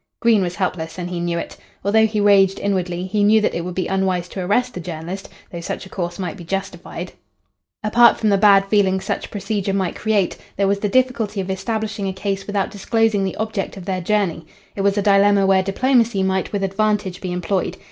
Green was helpless, and he knew it. Although he raged inwardly, he knew that it would be unwise to arrest the journalist, though such a course might be justified. Apart from the bad feeling such procedure might create, there was the difficulty of establishing a case without disclosing the object of their journey. It was a dilemma where diplomacy might with advantage be employed.